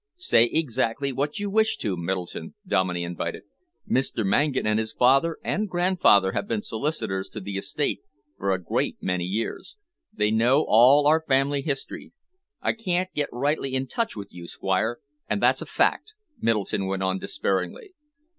"Say exactly what you wish to, Middleton," Dominey invited. "Mr. Mangan and his father and grandfather have been solicitors to the estate for a great many years. They know all our family history." "I can't get rightly into touch with you, Squire, and that's a fact," Middleton went on despairingly.